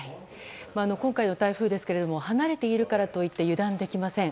今回の台風は離れているからといって油断できません。